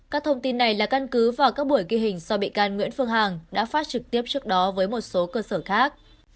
các thông tin này là căn cứ vào các buổi ghi hình do bị can nguyễn phương hằng đã phát trực tiếp trước đó với một số cơ sở khác